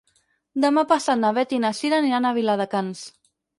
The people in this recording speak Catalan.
Demà passat na Beth i na Cira aniran a Viladecans.